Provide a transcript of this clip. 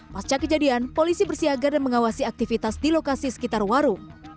pasca kejadian polisi bersiaga dan mengawasi aktivitas di lokasi sekitar warung